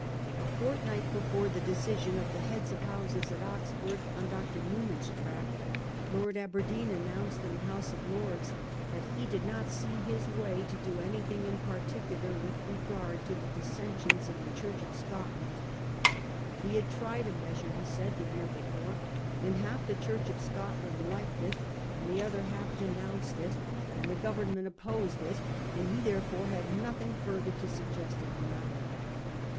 A fortnight before the decision of the heads of houses at Oxford on Dr. Newman's tract, Lord Aberdeen announced in the House of Lords that he did not see his way to do anything in particular with regard to the dissensions in the Church of Scotland. He had tried a measure, he said, the year before, and half the Church of Scotland Uked it, and the other half denounced it, 216 A HISTORY OF OUR OWN TIMES. cn. x. and the Government opposed it ; and he, therefore, had nothing further to suggest in the matter.